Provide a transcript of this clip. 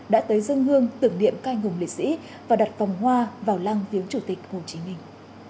đã tới dân hương tưởng niệm cai ngùng liệt sĩ và đặt phòng hoa vào lăng viếng chủ tịch hồ chí minh